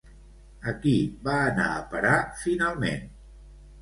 A qui va anar a parar finalment?